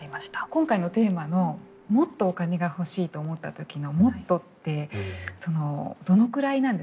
今回のテーマのもっとお金が欲しいと思った時のもっとってそのどのくらいなんですかね。